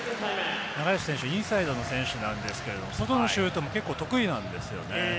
インサイドの選手なんですけれども外のシュートも結構、得意なんですよね。